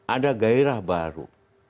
ada gairah baru